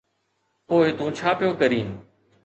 پوءِ تون ڇا پيو ڪرين؟